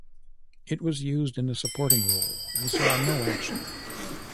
It was used in a supporting role, and saw no action.